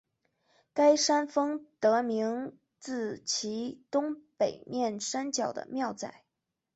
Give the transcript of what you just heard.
该山峰得名自其东北面山脚的庙仔。